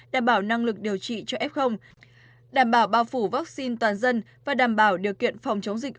đảm bảo năng lực điều trị cho f đảm bảo bao phủ vaccine toàn dân và đảm bảo điều kiện phòng chống dịch